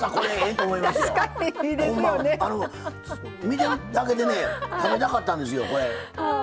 見てるだけでね食べたかったんですよこれ。